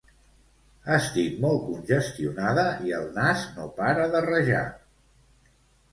Estic molt congestionada i el nas no para de rajar